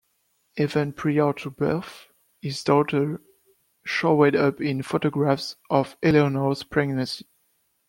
Even prior to birth, his daughter showed up in photographs of Eleanor's pregnancy.